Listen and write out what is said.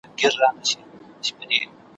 دا اټک اټک سيندونه ,